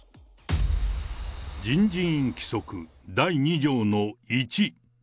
人事院規則第２条の１。